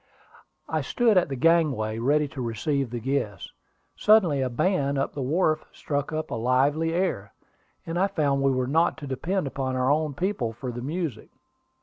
I stood at the gangway, ready to receive the guests. Suddenly a band on the wharf struck up a lively air, and I found we were not to depend upon our own people for the music.